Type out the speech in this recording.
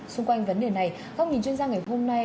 xung quanh vấn đề này các nghìn chuyên gia ngày hôm nay